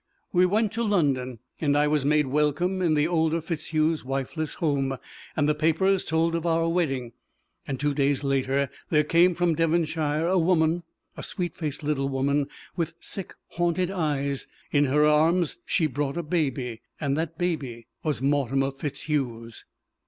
"We went to London and I was made welcome in the older FitzHugh's wifeless home, and the papers told of our wedding. And two days later there came from Devonshire a woman a sweet faced little woman with sick, haunted eyes; in her arms she brought a baby; and that baby _was Mortimer FitzHugh's!